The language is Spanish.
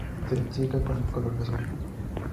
Se identifica con el color azul.